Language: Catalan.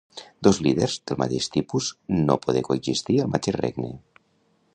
Dos líders del mateix tipus no poder coexistir al mateix regne.